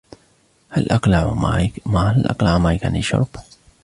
هل أقلع مايك عن الشرب ؟